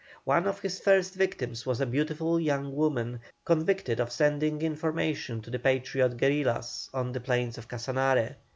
One of his first victims was a beautiful young woman, convicted of sending information to the Patriot guerillas on the plains of Casanare.